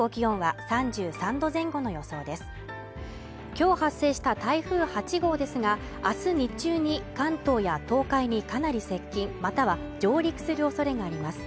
今日発生した台風８号ですが明日日中に関東や東海にかなり接近または上陸する恐れがあります